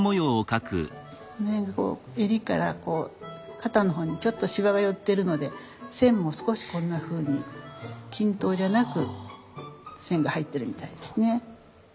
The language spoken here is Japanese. この辺こう襟から肩の方にちょっとしわが寄ってるので線も少しこんなふうに均等じゃなく線が入ってるみたいですね。